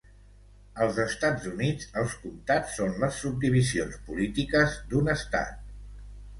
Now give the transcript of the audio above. Als Estats Units, els comtats són les subdivisions polítiques d'un estat.